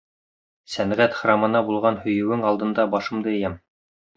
Сәнғәт храмына булған һөйөүең алдында башымды эйәм!